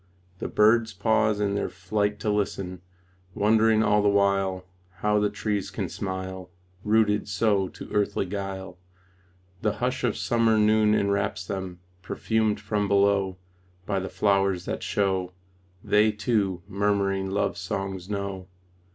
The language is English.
The birds pause in their flight to listen, Wondering all the while How the trees can smile Rooted so to earthly guile. The hush of summer noon enwraps them Perfumed from below By the flowers that show They, too, murmuring love songs know.